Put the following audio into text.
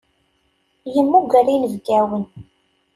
Yemmuger inebgawen.